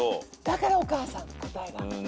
だから「お母さん」答えが。